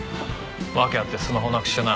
訳あってスマホなくしてな。